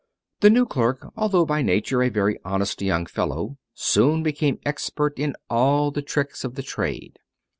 The new clerk, although by nature a very honest young fellow, soon became expert in all the tricks of the trade.